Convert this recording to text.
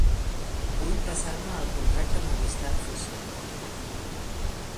Vull passar-me al contracte Movistar Fusión.